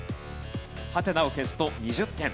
ハテナを消すと２０点。